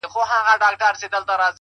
چي ښکلي سترګي ستا وویني”